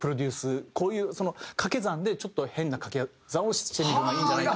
こういう掛け算で変な掛け算をしてみるのがいいんじゃないか。